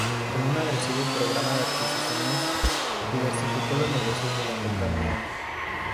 Con un agresivo programa de adquisiciones, diversificó los negocios de la compañía.